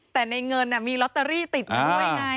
แต่ในเงินน่ะมีล็อตเตอรี่ติดด้วยไง